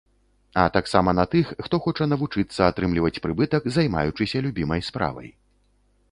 А таксама на тых, хто хоча навучыцца атрымліваць прыбытак, займаючыся любімай справай.